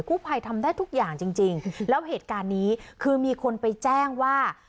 ผู้ภัยทำได้ทุกอย่างจริงจริงแล้วเหตุการณ์นี้คือมีคนไปแจ้งว่า